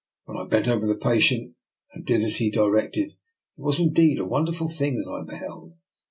When I bent over the patient and did as he directed, it was indeed a wonder ful thing that I beheld.